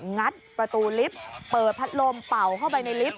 งัดประตูลิฟต์เปิดพัดลมเป่าเข้าไปในลิฟต์